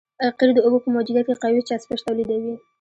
قیر د اوبو په موجودیت کې قوي چسپش تولیدوي